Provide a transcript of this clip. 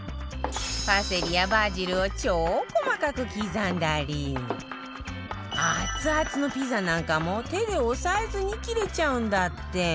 パセリやバジルを超細かく刻んだりアツアツのピザなんかも手で押さえずに切れちゃうんだって